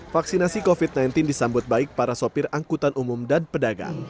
vaksinasi covid sembilan belas disambut baik para sopir angkutan umum dan pedagang